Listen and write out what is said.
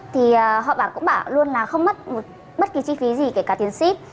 thì họ cũng bảo luôn là không mất bất kỳ chi phí gì kể cả tiền ship